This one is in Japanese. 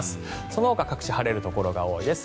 そのほか各地晴れるところが多いです。